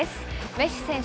メッシ選手